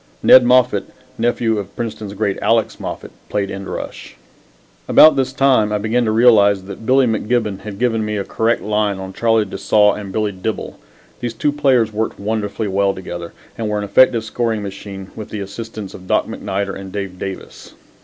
Ned Moffat, nephew of Princeton's great Alex Moffat, played end rush. About this time I began to realize that Billy McGibbon had given me a correct line on Charlie de Saulles and Billy Dibble. These two players worked wonderfully well together, and were an effective scoring machine with the assistance of Doc MacNider and Dave Davis.